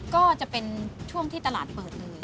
ก็จะเป็นช่วงที่ตลาดเปิดเลย